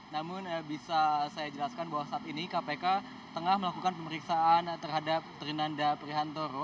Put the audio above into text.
namun bisa saya jelaskan bahwa saat ini kpk tengah melakukan pemeriksaan terhadap trinanda prihantoro